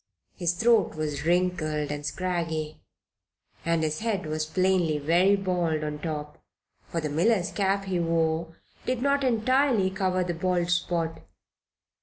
His throat was wrinkled and scraggy and his head was plainly very bald on top, for the miller's cap he wore did not entirely cover the bald spot.